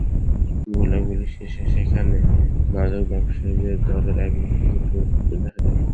গোলাগুলি শেষে সেখানে মাদক ব্যবসায়ীদের দলের এক ব্যক্তিকে পড়ে থাকতে দেখা যায়।